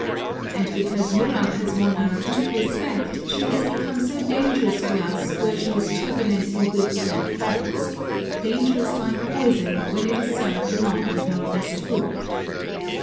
And because Europe has won our deep respect, she has become so dangerous for us where she is turbulently weak and false, dangerous like poison when it is served along with our best food.